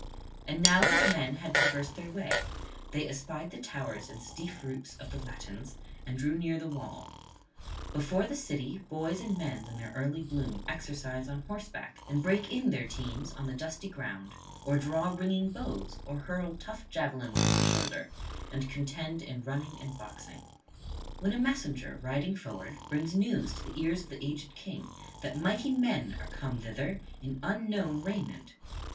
And now his men had traversed their way; they espied the towers and steep roofs of the Latins, and drew near the wall. Before the city boys and men in their early [163 196]bloom exercise on horseback, and break in their teams on the dusty ground, or draw ringing bows, or hurl tough javelins from the shoulder, and contend in running and boxing: when a messenger riding forward brings news to the ears of the aged King that mighty men are come thither in unknown raiment.